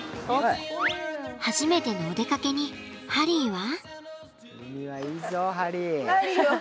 初めてのお出かけにハリーは。